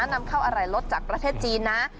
นำเข้าอะไหล่รถจากประเทศจีนนะ